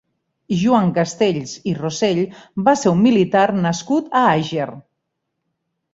Joan Castells i Rossell va ser un militar nascut a Àger.